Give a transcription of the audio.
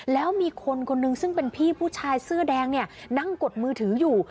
แล้วมีคนคนหนึ่งซึ่งเป็นพี่ผู้ชายเสื้อแดงเนี่ยนั่งกดมือถืออยู่